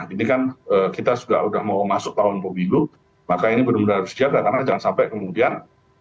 ini kan kita sudah mau masuk tahun pemilu maka ini benar benar harus dijaga karena jangan sampai kemudian